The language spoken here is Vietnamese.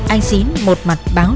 anh xín một mặt báo